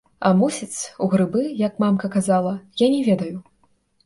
А мусіць, у грыбы, як мамка казала, я не ведаю.